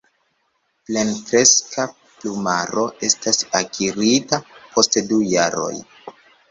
Plenkreska plumaro estas akirita post du jaroj.